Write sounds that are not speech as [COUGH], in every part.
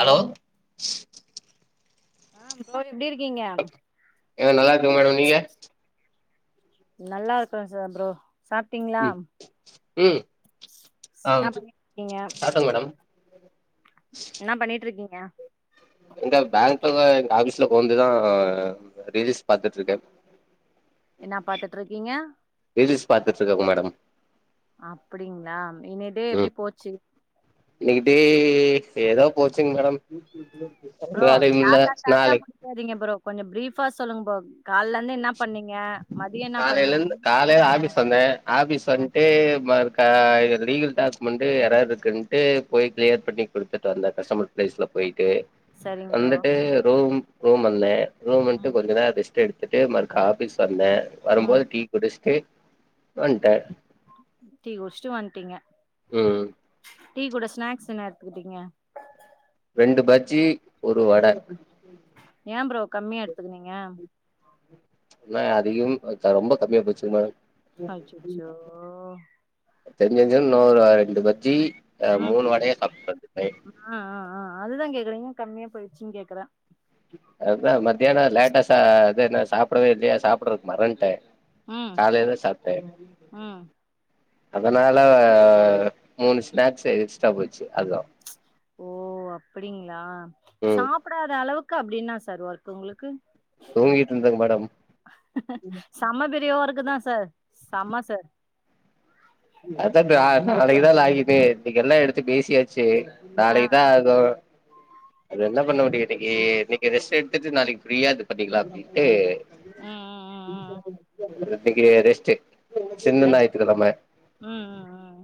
hello ஆ [INAUDIBLE] எப்டிருக்கீங்க ஏங்க நல்லா இருக்கே மேடம் நீங்க நல்ல இருக்கிறன் சார் ப்ரோ சாப்பிட்டீங்களா ம் ம் ஆ என்ன பண்ணிக்கிட்டுருக்கீங்க சாப்ட்டேங்க [UNINTELLIGIBLE] என்ன பண்ணிட்டுருக்கீங்க ய இங்த பேங்க்ல எங்க ஆபீஸ்ல கொந்துதான் ரிலீஸ் பாத்துட்டு இருக்கேன் என்ன பாத்துட்டுருக்கீங்க ரீல்ஸ் பாத்துட்டு இருக்கங்க மேடம் அப்படிங்களா இன்னி டே எப்டி போச்சு இன்க்குடேஏ ஏதோ போச்சுங்க மேடம் ப்ரோ வேலையும் இல்ல ஷாட்டா ஷாட்டா நாளைக்கு முடிச்சிரிங்க ப்ரோ கொஞ்சம் ப்ரீப் ஃப சொல்லுகங்ப் பண்ணீங்க காலையிலருந்து எங்க காலையில போனீங்க ஆபீஸ் வந்தேன் ஆபிஸ் ஆ வந்துட்டு ம [INAUDIBLE] லீகல் டாக்குமெண்ட்டு எரர் இருக்குதுன்ட்டு போய் கிளியர் பண்ணி கொடுத்துட்டு வந்த கஸ்டமர் ப்ளேஸில போய்ட்டு சரிங்க ப்ரோ வந்துட்டு ரூம் ரூம்ல்லே ரூம் வந்துட்டு ம் கொஞ்ச நேரம் ரெஸ்ட் எடு ட்டு மறுகா ஆபிஸ் வந்தேன் வரும்போது ம் டீ குடிச்சுட்டு ஒன்ட டீகொடிச்சுட்டு வன்ட்டீங்க ம் டீ கூட ஸ்நாக்ஸ் என்ன எடுத்துக்கிட்டீங்க ரெண்டு பஜ்ஜி ஒரு வடை ஏ ப்ரோ கம்மியா எடுத்துக்குனீங்க என்ன அதிகம் ரொம்ப கம்மியா போச்சுக்க மேம் அச்சச்சோ தெரிஞ்சிருந்த இன்னொரு ரெண்டு பஜ்ஜி ஆ ம் மூணு வடைய சாப்டேன் நைட் [INAUDIBLE] கம்மியாபோயிடுச்சுனு கேக்குரா அத்தா மத்தியானம் லேட்டா சா அது அத சாப்பிடவே இல்லயா சாப்பிடுறக்கு மறந்துட்டேன் ம் காலைல சாப்டேன் ம் அதனால மூணு ஸ்நாக்ஸ் எக்ஸ்ட போச்சு அது தன் ஓ அப்படிங்களா ம் சாப்டாத அளவுக்கு அப்டின்னா சார் ஓர்க் உங்களுக்கு தூங்கிட்டு இருந்தேங்க மேடம் [INAUDIBLE] செம்ம பெரி ஓர்கு தான் சார் சாம சார் அதான் நாளைக்கு தான் லக்கிட்டு இன்கு எல்லாம் எடுத்து பேசியாச்சு ஆ நாளைத் தான் அதும் அது என்ன பண்ண முடியும் இன்னைக்கு இன்னைக்கு ரெஸ்ட் எடுத்துட்டு நாளைக்கு ஃப்ரீயா இது பண்ணிக்கலாம் அப்டின்ட்டு ம் ம் ம் ம் [UNINTELLIGIBLE] இன்னைக்கு ரெஸ்டு சின்ன ரெஸ்ட் ஞாயித்து கிழம ம் ம் ம்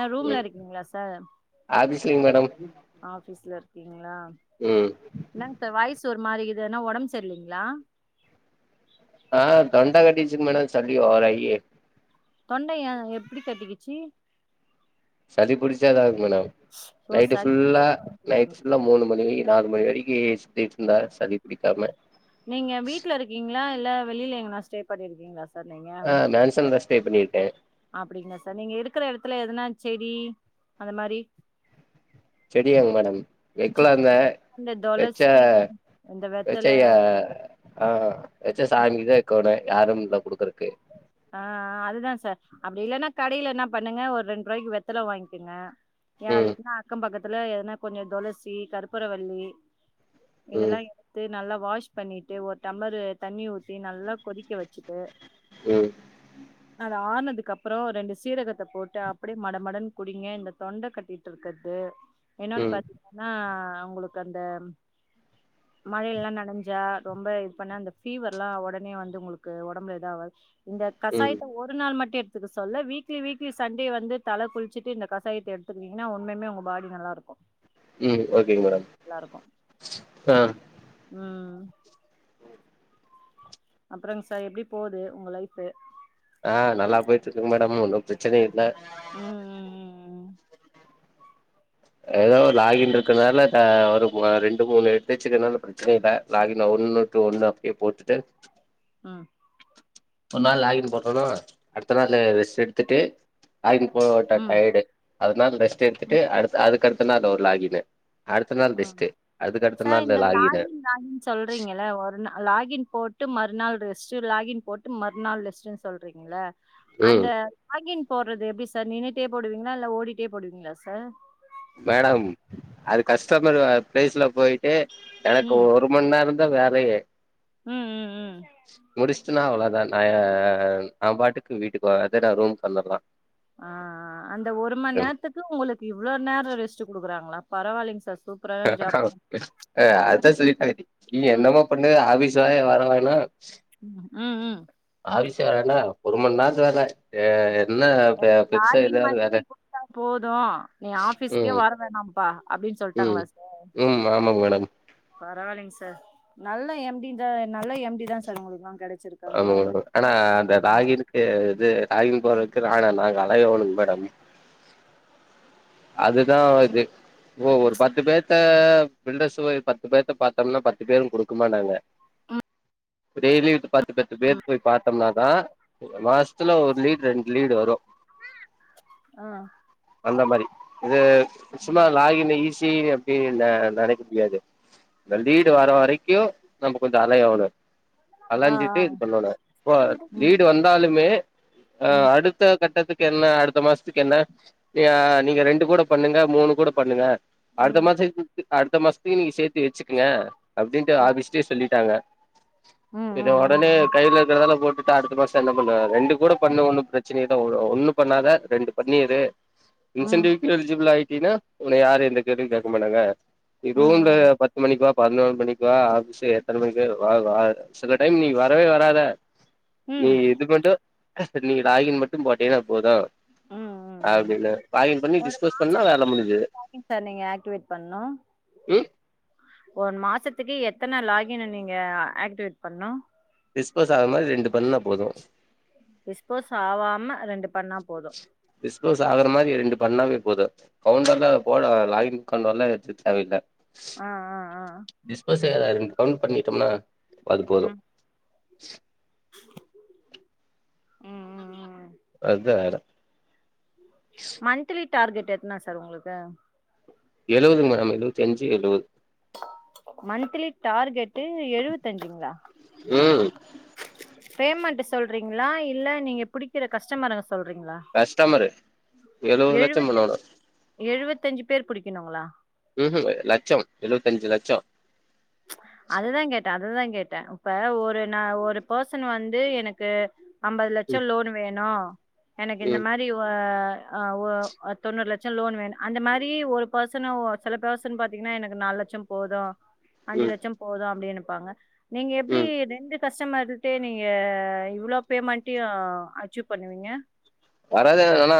ஏ ரூம்ல ம் இருக்கீங்களா சார் ஆபீஸ்லிங் மேடம் ஆஃபீஸ்ல இருக்க நா ம் என்னக சார் வாயஸ் ஒரு மாரி இதுன்ன உடம்பு சரில்லிங்களா ஆஹ தொண்டா கட்டிகிச்சி மேடம் சளி ஓவராய் தொண்டைய எப்படி கட்டிகிசி சளி புடிச்சஎதாவது [INAUDIBLE] ஓ நைட்டு் சளி புடிச்சா புல்லா தொண்ட கட்டிக்கு நைட் புல்லா மூணு மணி நாலு மணி மகரிகஸ் நீங்க வீட்டுல இருக்கீங்களா இல்ல வெளியில எங்கனா ஸ்டே பண்ணிருக்கீங்ள [INAUDIBLE] ஆ நான்சல் அஷ் பே பண்ணிருக்கேன் அப்டிங்களா சார் நீங்க இருக்குற இடத்துல எதனா செடி அந்த மாரி செடியாங்க மேடம் வெக்கல சின்ன தா ஆ இந்த வெச்ச தொளசி இந்த வெத்தல வெச்சய ஆ சாங்கி [INAUDIBLE] யாரும் இல்ல கொடுக்குறக்கு ஆ அதுதா சார் அப்டி இல்லன்னா கடையில என்ன பண்ணுங்க ஒரு ரெண்டு ரூபாய் வெத்தல வாங்கிக்கங்க யார் ம் வீட்டுனா அக்கம் பக்கத்து அதுல எதுனா கொஞ்சம் துளசி கருற்பற வல்லி ம் இதெல்லாம் எடுத்து நல்லா வாஷ் பண்ணிட்டு ஒரு டம்ளரு தண்ணி ஊத்தி நல்லா கொதிக்க வச்சுட்டு ம் ஆர்னதுக்கு அப்புறம் ரெண்டு சீரகத்தை போட்டு அப்டியே மடமடன்னு குடிங்க இந்த தொண்ட கட்டிட்டு இருக்கிறது இன்னொன்னு ம் பாத்தீங்கன்னா அவங்களுக்கு அந்த மழைல்லாம் நனைஞ்சா ரொம்ப இது பண்ண அந்த ஃபீவர் எல்லாம் உடனே வந்து உங்களுக்கு உடம்புல ஏதாவ இந்த ம் கசாயத்தை ஒரு நாள் மட்டு ட்டு எடுத்துக்க சொல்ல வீக்லி வீக்லி சண்டே வந்து தல குளிச்சிட்டு இந்த கசாயத்த எடுத்துக்கிட்டீங்கன்னா உன்னுமே உங்க பாடி நல்லா இருக்கு ம் ஓகேங்க மேடம் நல்லா இருக்கு ஆ ம் அப்புறங் சார் எப்டி போகுது உங்க லைஃபு ஆஹ் நல்லா போயிட்ருக்கு மேடம் ஒன்னும் பிரச்சன இல்ல ம் ம் ம் ஏதோ லாகின் இருக்கனால ஒரு ரெண்டு மூணு எடுச்சுக்கனாலு பிரச்சனை இல்லை லாகின் ஒண்ணு டு ஒண்ணு அப்டியே போட்டுட்டு ஆ ஒரு நாள் லாகின் போட்டாலு அடுத்த நாள் ரெஸ்ட் எடுத்துட்டு லாகின் போட்ட ம் ம் டயேடு அதனால ரெஸ்ட் எடுத்துட்டு ம் அடுத் அதுக்கடுத் [UNINTELLIGIBLE] லாகின்னு அடுத்த நாள் ம் ரெஸ்ட்டு அதுக்கடுத்த சார் நாள் இந்த லாகின்னு லாகின் லாகின் சொல்றீங்கள ஒரு நாள் லாகின் போட்டு மறுநாள் ரெஸ் [INAUDIBLE] லாகின் போட்டு மறுநள் லஸ்டு சொல்றீங்களா அந்த ம் லாகின் போடுறது எப்டி சார் நின்ட்டே போடுவீங்களா இல்ல ஓடிடே போடுவீங்களா சார் மேடம் அது கஸ்டமர் பிளேஸ்ல போயிட்டு எனக்கு ம் ஒரு மணி நேரம் [INAUDIBLE] வேறையே ம் ம் ம் முடிச் [INAUDIBLE] அவ்வளதான் நா பாட்டுக்கு வீட்டுக்கு ரூம் பண்ணலாம் ஆ ஆ அந்த ஒரு மணி நேரத்துக்கு உங்களுக்கு இவ்ளோ நேரோ எட் ரெஸ்ட்டுக்குறாங்களா பரவாயலங்க சார் சூப்பரான ஜாப் [UNINTELLIGIBLE] நீ ம் என்னமா பண்ணுது ஆபீஸ் [UNINTELLIGIBLE] வரவேணா ம் ம் அவசியம் வரண ஒரு மணி நேரத்து வேல என்ன எனக்கு பெருசா லாகின் எதாவது மத்தி வேல நீ கொடுத்தா போதும் நீ ஆபீஸ்க்கே ம் வர வேணாம்பா அப்டின்னு ம் சொல்லிட்டாங்களா சார் ம் ஆமாங்க மேடம் பரவாயில்லைங்க சார் நல்லா எம்டிந்த நல்லா எம்டி தான் சார் உங்களுக்கு ஆமா மேடம் ஆனா அந்த லாகின்க்கு இது லாகின் போட்றக்கு [UNINTELLIGIBLE] நாங்க ய ஒணுங் மேடம் அதுதா இது இப்போ ஒரு பத்து பேர்த்த ஃபில்டர்ஸ் பத்து பேத்த பாத்தோம்னா பத்து பேரும் குடுக்கமாட்டாங்க இப்ப டெய்லி பத்து பத்து பேர்த்த போய் பாத்தோம்னாதா மாசத்துல ஒரு லீடு ரெண்டு லீடு வரு ஆ அந்த மாரி இது சும்மா லாகின் ஈஸி அப்டி நெ நெனைக்க முடியாது அந்த லீடு வர வரைக்கு நம்ம கொஞ்ச அலையோனு ஆ அலைஞ்சிட்டு ஆ இது பண்ணனு இப்ப ம் லீடு வந்தாலுமே ஆ ம் அடுத்த கட்டத்துக் என்ன அரத மாசத்துக்கு என்ன நீங்கள் ரெண்டு கூட பண்ணுங்க மூணு கூட பண்ணுங்க அடித்த ம் மாச அடுத்த மாசத்துக்கு நீங்க சேத்தி வச்சுக்கங்க அப்டின்ட்டு ஆஃபிஸ்லயே சொல்லிட்டாங்க ம் ம் இது உடனே ம் கையில இருக்கிறதால போட்டு அ அடுத்த மாசம் என்ன பண்ணுவா ரெண்டு கூட பண்ண ஒண்ணும் பிரச்சனை ஒண்ணு பண்ணாத ரெண்டு பண்ணிர் ம் ம் ம் இன்சன்டிி் எலிஜீபால் ஆ.. அப்டினா உனனை யாரு எந்த கேள்வியும் கேட்க மாட்டாங்க இதுவும் ம் பத்து மணிக்கு வா பதனோரு மணிக்கு வா ஆபீஸு எத்தனை மணிக்கு வா வா சில டைம் நீ வரவே வராத நீ இது மட்டும் நீங்க லாகின் மட்டு போட்டீன்னா போது ம் ம் ம் ஆப்டின்ர் ஒரு மாத்து மாசத்துக்கு எத்தனை சிம் சார் நீங்க ஆக்ட்டிவ்ட் பண்ணனும் ம் அத்தனா லாகின் நீங்க ஆக்டிவேட் பண்ணும் டிஸ்போஸ் ஆகுற மாரி ரெண்டு பண்ணா போது [UNINTELLIGIBLE] டிஸ்போஸ் ஆவாம ரெண்டு பண்ணா போதும் ஸ்கோஸ் ஆகுற மாரி ரெண்டு பண்ணாவே போது கவுண்டர்ல போட லாகின் கவுண்டர் எல்லா எடுக்க தேவையில்ல ஆ ஆ ஆ ப்ப டிஸ்போஸ் இரு கவுண்ட் பண்ணிட்டோம்னா அது போது [UNINTELLIGIBLE] உம் உம் உம் அது அற மன்த்லி டார்கெட் எத்தனா சார் உங்களுக்கு எழுபதுங்க மேடம் எழுவத்தி அஞ்சு எழுவது மன்த்லி டார்கெட்டு எழுவத்து அஞ்சுங்களா ம் பேமெண்ட் சொல்றீங்ளா இல்ல நீங்க புடிக்கற கஸ்டமர கஸ்டமரு எழுவது லட்சம் பண்ணோணும் த்தஞ்சு பேர் புடிக்குணுங்ளா ம்ம் லட்சம் எழுவத்தஞ்சு லட்சம் அததா கேட்டே அததான் கேட்டே இப்ப ஒரு நா ஒரு பர்சன் வந்து எனக்கு அம்பதுலட்சம் லோன் வேணும் எனக்கு ம் இந்த ம் மாரி ஓ ஹ ஓ தொண்ணூறு லட்சம் லோன் வேணும் அந்த மாரி ஒரு பர்சன் சில பெர்சன் பாத்தீங்கன்னா எனக்கு நாலுலட்சம் போதும் ம் அஞ்சுலட்சம் போதும் அப்படினு ப்பாங்க நீங்க எப்டி ம் ரெண்டு கஸ்டமர்டே நீங்க ஹ இவ்ளோ பேமெண்டயும் அச்சீவ் பண்ணுவீங்க வரது என்னா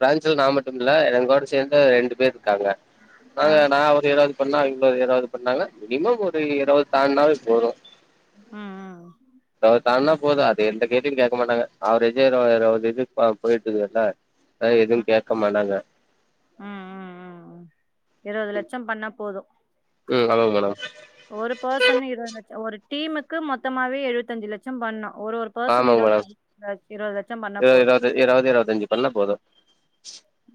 பிரான்சுல நா மட்டுல்ல எங்கோட சேர்ந்த ரெண்டு பேரு இருக்காங்க ஆ நாங்க நா அவர் ஏதாவது பண்ணா இப்ப இருபது பண்ணாங்க மினிமம் ஒரு இருவது தான்டுனாவே போதும் உம் ம் தா நா போதும் அது எந்த கேள்வியும் கேட்க மாட்டாங்க அவுரேஜா இருவது அப்பா போயிட்டு வர்டா ஹ எதுவும் ம் கேட்க மாட்டாங்க ம் ம் உம் ம் இருபதுலட்சம் பண்ணா போதும் ம் ஆமாங்க மேடம் ஒரு பசனே இருபது லட்சம் ஒரு டீமூக்கு மொத்தமாவே எழுவத்தஞ்சு லட்சம் பண்ணும் ஒரு ஒரு பெர்சன் ஆமாங்க மேடம் [INAUDIBLE] இருபது லட்சம் பண்ணா இருவது போதும் இருவது இருவது இருவத்தஞ்சு பண்ணா போது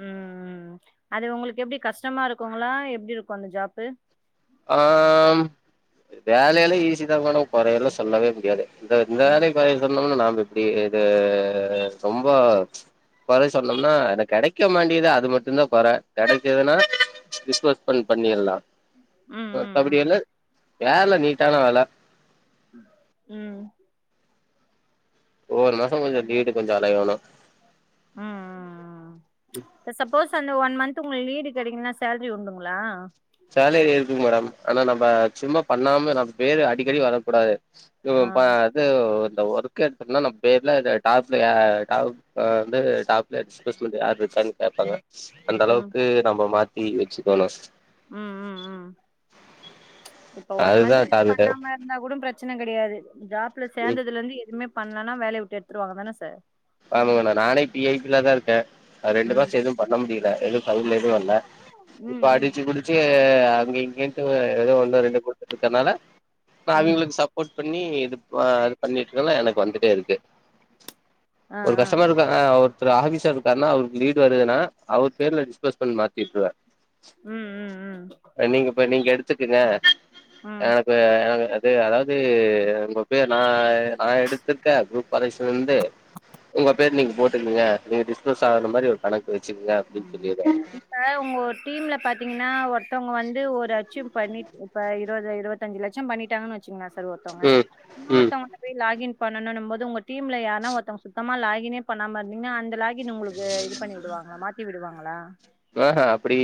உம் ம் அது உங்களுக்கு எப்டி கஷ்டமா இருக்குங்களா எப்டி இருக்கும் அந்த ஜாப்பு ஆஹ் வேலையல்லாம் ஈசி தா மேடம் குறைஎல்லாம் சொல்லவே முடியாது இந்த ம் இந்திரி பய சொன்னோம்ன்ன நானு இப்படி இது ரொம்ப ச்ச் கொர சொன்னோம்னா என கிடைக்க மாண்டிகிது தா அது மட்டும்தான் கொர கிடைக்கதுன்னா இன்வெஸ்ட்மென்ட் பண்ணலாம் பண்ணிடலாம் ம் ம் [UNINTELLIGIBLE] வேல நீட்டான வேல உஹம் ஒரு மாசம் கொஞ்சம் வீடு கொஞ்சம் அலையணும் ம் ம் ம் சப்போஸ் அந்த ஒன் மன் [UNINTELLIGIBLE] உங்களுக்கு லீடு கெடைக்கலன்னா சேலரி உண்டுங்களா சேலரி இருக்கு மேடம் ஆனா நம்ப சும்மா பண்ணாம நம்ம பேரு அடிக்கடி வரக்கூடாது இது ஆ பா அது ஒரு ஒர்க் எடுத்தோம்னா நம் பேர்லா இது டாப்ல யா டாப் வந்து டாப்ல [INAUDIBLE] யார் இருக்காங்கன்னு பாப்பாங்க அந்த ம் அளவுக்கு நம்ம மாத் நீங்க வச்சுக்கோன்னா உம்-உம்-உம் இப்ப ஒன் அதுதா மந்த் டார்கெட்டு பண்ணாம இருந்தா கூட பிரச்சனை கிடையாது ஜாப் ல ம் சேந்ததுலிர்ந்து எத் எதுமே பண்ணலனா வேலய விட்டு எடுத்துருவாங்கதான சார் ஆமாங்க நானே பி ஐ பி லதா இருக்கே நா ரெண்டு ம் மாசம் எதும் பண்ண முடியல எது அது மட்டு அல்ல இப்ப ம் ம் அடிச்சு புடிச்சு து அங்க இங்கன்ட்டு ஏதோ ஒன்னு ரெண்டு குடுத்துட்ருக்கனால நா ம் அவிங்களுக்கு சப்போர்ட் பண்ணி இது ப இது பண்ணிட்டு இருக்கனால எனக்கு வந்துட்டே இருக்கு ஆ ஒரு ஆ கஷ்டமர் இருக்காங்க அவர் செரி ஆஃபீசர் இருக்காருனா அவருக்கு லீடு [UNINTELLIGIBLE] அவர் பேர்ல டிஸ்போஸ் பண்ணி மாத்தி விட்ருவ ம் ம் நீங்க போய் நீங்க எடுத் த்துக்குங்க ம் ம் எனக்கு-எனக்கு து அதாவது உங்க பேர் நா நா எடுத்திருக்கே குரூப் பாலிசிலிருந்து உங்க பேரு நீங்க போட்டுக்குங்க நீங்க டிஸ்மஸ் ஆகுற மாரி ஒரு கணக்கு வச்சுக்குங்க அப்டின்னு ஆமா சொல்லிருவே இப்ப உங்க டீம்ல பாத்தீங்கன்னா ஒரு ஒருத்துங்க வந்து ஒரு அத அச்சீவ் பண்ணி இப்ப இருபது இருபத் அஞ்ச லட்சம் பண்ணிட்டாங்கன்னு வெச் [UNINTELLIGIBLE] சார் ஒருத்தவங்க ம் ம் இன்னொருத்தவங்ககிட்ட போய் லாகின் பண்ணணும்போது உங்க டீம்ல யாருனா ஒருத்தங்க சுத்தமா லாகினே பண்ணாம இருந்தீங்க அந்த லாகின் [UNINTELLIGIBLE] உங்களுக்கு இது பண்ணி விடுவாங்களா மாத்தி விடுவாங்களா ஆஹா அப்டி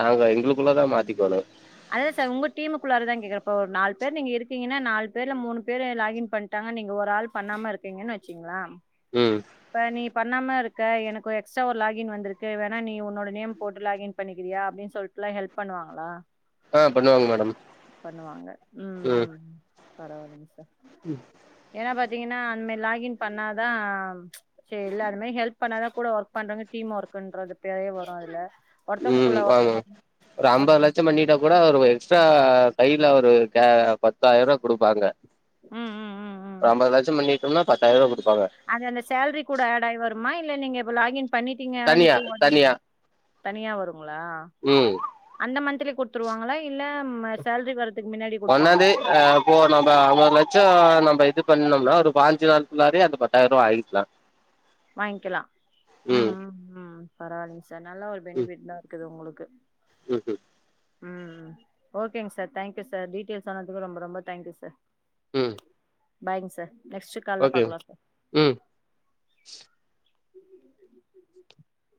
நாங்க எங்களுக்குள்ளதா மாத்திக்கோணு அதான் சார் உங்க டீமுக்குள்ளாரதா கேக்குறே இப்ப ஒரு நாலு பேர் நீங்க இருக்கீங்கன்னா நாலு பேர்ல மூணு பேர் லாகின் பண்ட்டாங்க நீங்க ஒரு ஆள் பண்ணாம இருக்கீங்கன்னு வச்சுக்கங்களே உம் பண்ணாம இருக்க எனக்கு ஒரு எக்ஸ்ட்ரா ஒரு லாகின் வந்திருக்கு வேண்ணா நீ உன்னோட நேம் போட்டு லாகின் பண்ணிக்கிறியா அப்டின் சொல்ட்டுலா ஹெல்ப் பண்ணுவாங்களா ஆ பண்ணுவாங்க மேடம் பண்ணுவாங்க உம் உம் பரவாயில்லைங்க சார் உம் ஏன்னா பாத்தீங்கன்னா அந்த மாதிரி லாகின் பண்ணாதா சரி எல்லாருமே ஹெல்ப் பண்ணாதா கூட ஒர்க் பண்றாங்க டீம் ஒர்க்குன்ற அந்த பேரே வரு அதுல உம் ஒருத்தவங்கக்குள்ள ஆமா ஒருத்தவங்க ஒரு ஒருத்த- அம்பது லட்சம் பண்ணிட்டா கூட ஒரு எக்ஸ்ட்ரா கையில ஒரு க்கா பத்தாயர்ரூபா குடுப்பாங்க ம் ம் ம் ம் ஒம்பதுலட்சம் பண்ணி தோம்னா பத்தாய் ரூவா குடு அது அந்த சேலரி கூட ஆட் ஆயி வருமா இல்லை நீங்கப்ப லாகின் தனியா பண்ணிட்டீங்கட்டு தனியா ஓடணும் தனியா வரும் ங்லா ம் அந்த [UNINTELLIGIBLE] குடுத்துருவாங்களா இல்ல ம சேல்ரி வரது ஒன்னாந்தேதி இப்போ நம்ம அம்பது லட்சம் நம்ம இது பண்ணனோம்னா ஒரு பாஞ்சினால் நாள் குள்ளாரையே அது பத்தாயிரம ரூபா ஆகிக்கலாம் வாங்கிக்கலாம் உம் உம் உம் பரவாயில்லைங்க சார் நல்ல ஒரு பெனிஃபிட்தா இருக்குது உங்களுக்கு க்கு உம் உம் ம்ம் ஓகேங்க சார் தேங்க்யூ சார் டீடெயில்ஸ் சொன்னதுக்கு ரொம்ப ரொம்ப தேங்க்யூ சார் ம் பாய்ங் சார் நெக்ஸ்ட் கால்ல ஓகே பாக்கலா சார் ம் [UNINTELLIGIBLE] [INAUDIBLE]